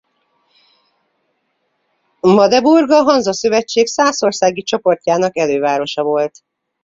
Magdeburg a Hanza-szövetség szászországi csoportjának elővárosa volt.